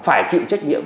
phải chịu trách nhiệm